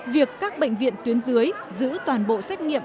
việc các bệnh viện tuyến dưới giữ toàn bộ xét nghiệm